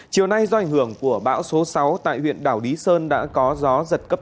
chiều nay do ảnh hưởng của bão số sáu tại huyện đảo lý sơn đã có gió giật cấp tám